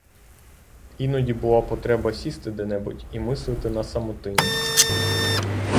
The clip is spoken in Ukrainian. Іноді була потреба сісти де-небудь і мислити на самотині.